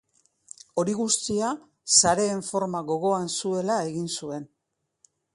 Hori guztia sareen forma gogoan zuela egin zuen.